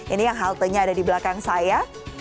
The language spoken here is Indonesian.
ini yang haltenya ada di belakang saya